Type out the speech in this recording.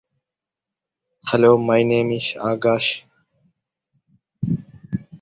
Jack's co-workers and employers can only be described as contentedly psychotic.